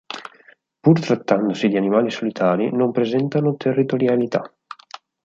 Pur trattandosi di animali solitari, non presentano territorialità.